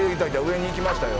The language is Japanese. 上に行きましたよ。